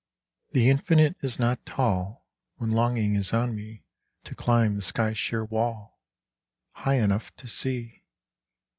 The infinite is not tall When longing is on me To climb the sky's sheer wall High enough to see!